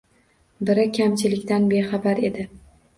Biri kamchiligidan bexabar edi.